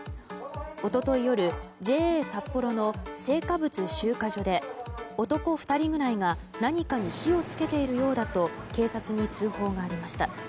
一昨日夜ＪＡさっぽろの青果物集荷所で男２人ぐらいが何かに火を付けているようだと警察に通報がありました。